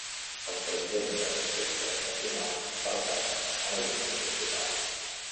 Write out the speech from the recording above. Els presidents d'aquests comitès nacionals pertanyen a la Junta principal.